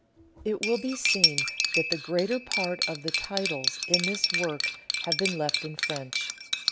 It will be seen that the greater part of the titles in this work have been left in French.